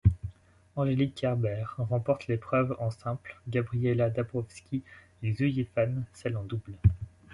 Angelique Kerber remporte l'épreuve en simple, Gabriela Dabrowski et Xu Yifan celle en double.